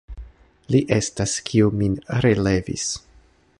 Li estas, kiu min relevis.